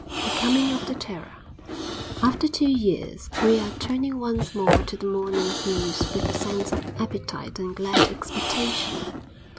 The Coming of the Terror After two years we are turning once more to the morning's news with a sense of appetite and glad expectation.